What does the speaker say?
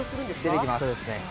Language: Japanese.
出てきます。